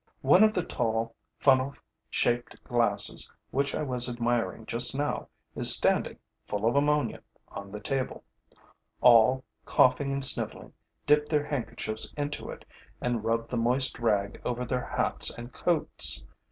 One of the tall, funnel shaped glasses which I was admiring just now is standing, full of ammonia, on the table. All, coughing and sniveling, dip their handkerchiefs into it and rub the moist rag over their hats and coats.